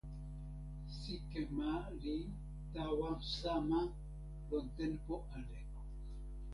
sike ma li tawa sama lon tenpo ale.